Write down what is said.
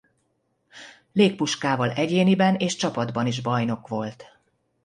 Légpuskával egyéniben és csapatban is bajnok volt.